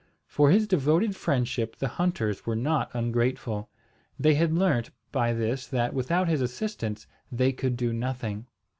For his devoted friendship the hunters were not ungrateful. They had learnt by this that without his assistance they could do nothing.